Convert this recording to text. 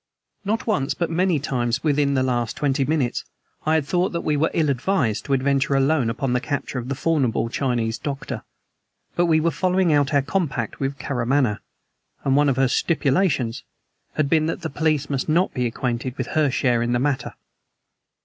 Not once but many times, within the last twenty minutes, I had thought that we were ill advised to adventure alone upon the capture of the formidable Chinese doctor; but we were following out our compact with Karamaneh; and one of her stipulations had been that the police must not be acquainted with her share in the matter.